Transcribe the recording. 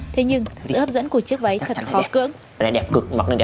thế nhưng con có thay không